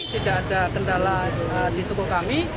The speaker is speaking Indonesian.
tidak ada kendala di tubuh kami